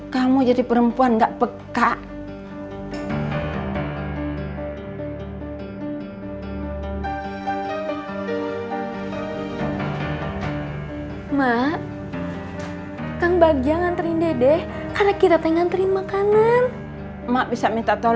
kamu jadi perempuan nggak peka